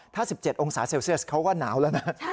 ถ้า๑๗องศาเซลเซียสเขาก็หนาวแล้วนะ